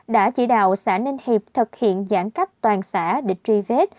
đã chỉ đạo xã ninh hiệp thực hiện giãn cách toàn xã để truy vết